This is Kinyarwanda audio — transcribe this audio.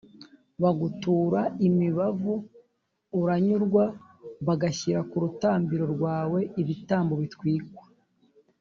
bagutura imibavu, uranyurwa, bagashyira ku rutambiro rwawe ibitambo bitwikwa.